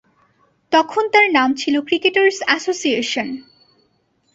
তখন এর নাম ছিল ক্রিকেটার্স অ্যাসোসিয়েশন।